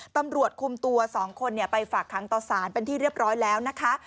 ตำรวจคุมตัว๒คนไปฝากค้างต่อสารเป็นที่เรียบร้อยแล้วนะคะ